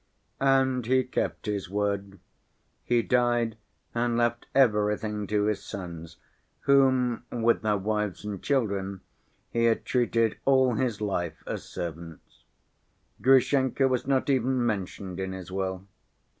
And he kept his word; he died and left everything to his sons, whom, with their wives and children, he had treated all his life as servants. Grushenka was not even mentioned in his will.